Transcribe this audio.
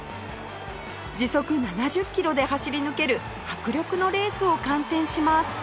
時速７０キロで走り抜ける迫力のレースを観戦します